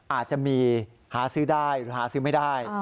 อาจจะมีหาซื้อได้หรือหาซื้อไม่ได้